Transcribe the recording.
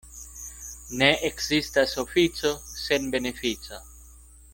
Ne ekzistas ofico sen benefico.